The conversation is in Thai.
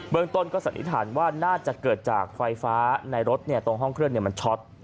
เมืองต้นก็สันนิษฐานว่าน่าจะเกิดจากไฟฟ้าในรถตรงห้องเครื่องมันช็อต